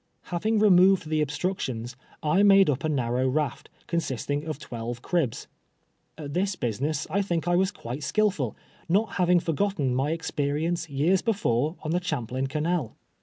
Having removed the obstructions, I made up a nar row raft, consisting of twelve cribs. At this business I think I was quite skillful, not having forgotteii my experience years before on the Champlain canal.